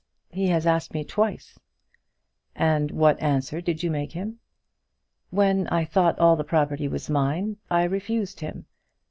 He has asked me twice." "And what answer did you make him?" "When I thought all the property was mine, I refused him.